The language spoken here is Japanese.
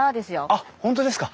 あっ本当ですか！